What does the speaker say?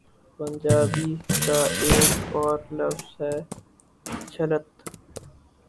پنجابی کا ایک اور لفظ ہے، ' جھلت‘۔